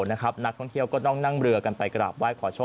นักท่องเที่ยวก็ต้องนั่งเรือกันไปกราบไห้ขอโชค